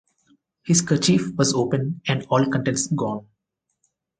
His kerchief was open and all contents gone.